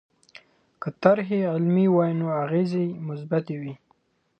که طرحې علمي وي نو اغېزې یې مثبتې وي.